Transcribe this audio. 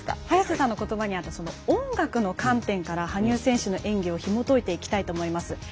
早瀬さんのことばにあった音楽の観点から羽生選手の演技をひもといていきたいと思います。